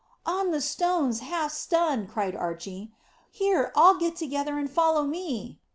"On the stones, half stunned," cried Archy. "Here, all get together and follow me."